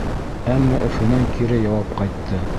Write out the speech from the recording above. Әммә Өфөнән кире яуап ҡайтты.